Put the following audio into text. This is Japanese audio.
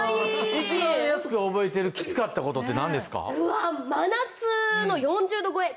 一番やす子が覚えてるキツかったことって何ですか？